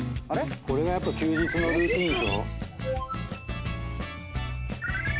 これがやっぱ休日のルーティンでしょ。